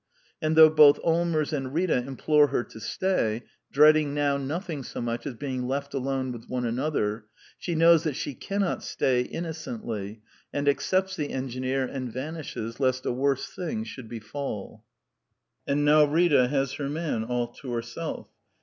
And though both AUmers and Rita implore her to stay, dreading now nothing so much as being left alone with one another, she knows that she cannot stay innocently, and ac cepts the engineer and vanishes lest a worse thing should befall. And now Rita has her man all to herself.